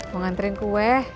mau nganterin kue